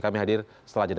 kami hadir selanjutnya